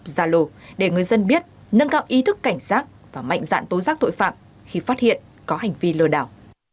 zalo để người dân biết nâng cao ý thức cảnh sát và mạnh dạng tố giác tội phạm khi phát hiện có hành vi lừa đảo